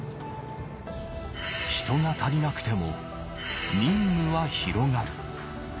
人が足りなくても任務は広がる